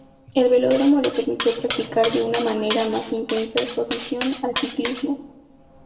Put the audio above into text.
El velódromo le permitió practicar de una manera más intensa su afición al ciclismo.